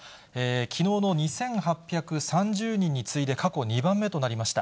きのうの２８３０人に次いで、過去２番目となりました。